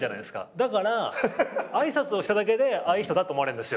だから挨拶をしただけでいい人だって思われるんですよ。